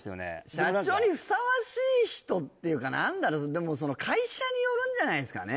社長にふさわしい人っていうか何だろうでもその会社によるんじゃないすかね？